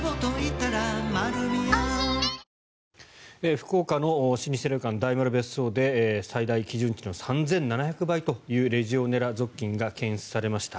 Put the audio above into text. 福岡の老舗旅館大丸別荘で最大、基準値の３７００倍というレジオネラ属菌が検出されました。